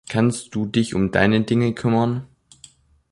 Kannst du dich um deine Dinge kümmern?